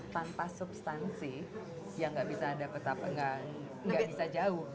tanpa substansi ya gak bisa ada gak bisa jauh gitu loh